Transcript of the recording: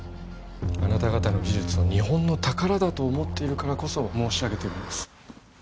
あなた方の技術を日本の宝だと思っているからこそ申し上げてるんです